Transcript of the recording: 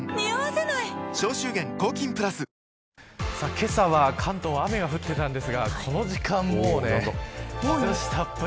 けさは関東も雨が降っていたんですがこの時間、日差したっぷり。